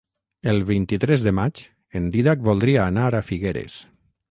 El vint-i-tres de maig en Dídac voldria anar a Figueres.